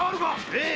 ええ！